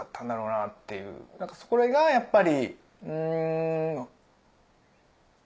それがやっぱり。